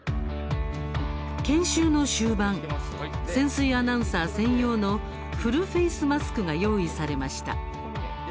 研修の終盤潜水アナウンサー専用のフルフェースマスクが用意されました。